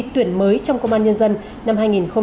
tuyển mới trong công an nhân dân năm hai nghìn hai mươi ba